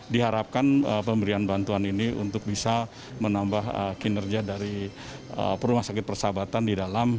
diharapkan pemberian bantuan ini untuk bisa menambah kinerja dari rumah sakit persahabatan di dalam